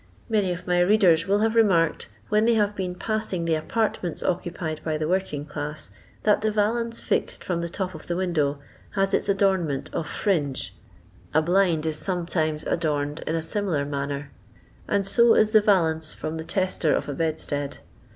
Many of ny readers will have remarked, when they have been pasting the apartments occupied by the working class, that the rainnce fixed from the tnp of the window hiis its adornment of fringe ; a blind is sometimes adorned in a similar manner, and so is the valance from the tester of a bedstead.